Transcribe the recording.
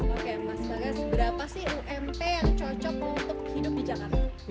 oke mas bagas berapa sih ump yang cocok untuk hidup di jakarta